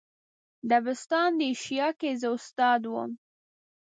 دبستان د ایشیا که زه استاد وم.